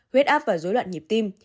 huết áp và dối loạn nhịp tim